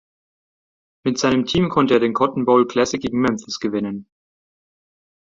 Mit seinem Team konnte er den Cotton Bowl Classic gegen Memphis gewinnen.